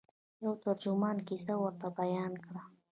یوه ترجمان کیسه ورته بیان کړه.